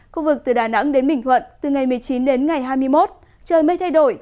khu vực từ đà nẵng đến bình thuận từ ngày một mươi chín đến ngày hai mươi một trời mây thay đổi